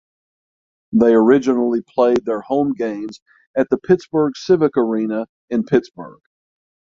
They originally played their home games at the Pittsburgh Civic Arena in Pittsburgh.